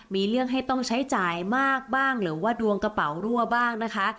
มีเรื่องให้ต้องใช้จ่ายมากบ้างหรือว่าดวงกระเป๋ารั่วบ้างนะคะ